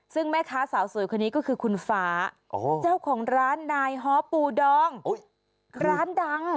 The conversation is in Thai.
ซึ่งแม่ค้าสาวสวยคนนี้ก็คือคุณฟ้าเจ้าของร้านนายฮอปูดองร้านดัง